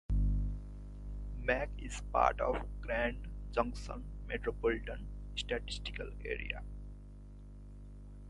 Mack is part of the Grand Junction Metropolitan Statistical Area.